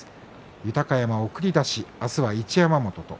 豊山送り出し、明日は一山本と。